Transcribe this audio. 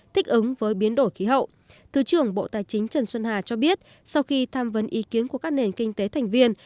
thích ứng với biến đổi khí hậu thứ trưởng bộ tài chính trần xuân hà cho biết sau khi tham vấn ý kiến của các nền kinh tế thành viên